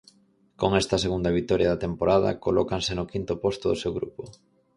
Con esta segunda vitoria da temporada, colócanse no quinto posto do seu grupo.